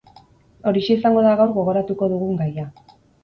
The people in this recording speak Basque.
Horixe izango da gaur gogoratuko dugun gaia.